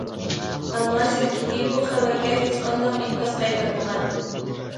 ‹‹ ئالما›› شىركىتى بۇ خەۋەرگە ھېچقانداق ئىنكاس قايتۇرمىغان.